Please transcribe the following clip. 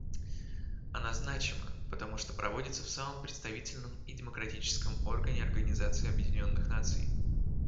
Она значима, потому что проводится в самом представительном и демократическом органе Организации Объединенных Наций.